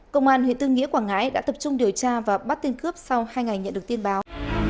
công an huyện tư nghĩa quảng ngãi đã tập trung điều tra và bắt tên cướp sau hai ngày nhận được tin báo